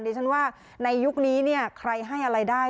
ดิฉันว่าในยุคนี้ใครให้อะไรได้